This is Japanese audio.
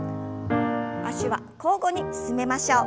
脚は交互に進めましょう。